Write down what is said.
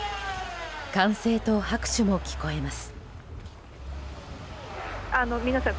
歓声と拍手も聞こえます。